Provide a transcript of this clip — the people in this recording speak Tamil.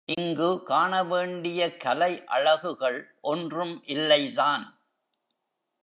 இங்கு காணவேண்டிய கலை அழகுகள் ஒன்றும் இல்லைதான்.